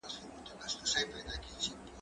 زه له سهاره سينه سپين کوم،